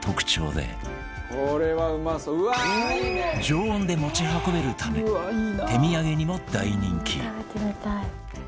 常温で持ち運べるため手土産にも大人気